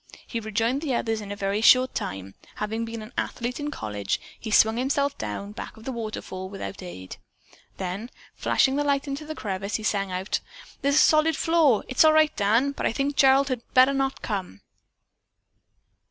He rejoined the others in a very short time. Having been an athlete in college, he swung himself down and back of the waterfall without aid. Then flashing the light into the crevice, he sang out: "There's a solid floor, all right, Dan, but I think Gerald had better not come."